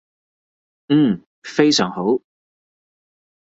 嗯，非常好